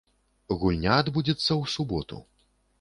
Гульня адбудзецца ў суботу.